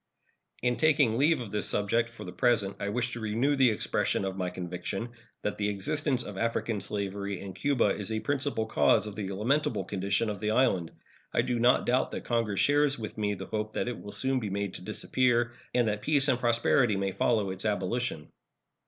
In taking leave of this subject for the present I wish to renew the expression of my conviction that the existence of African slavery in Cuba is a principal cause of the lamentable condition of the island. I do not doubt that Congress shares with me the hope that it will soon be made to disappear, and that peace and prosperity may follow its abolition.